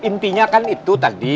intinya kan itu tadi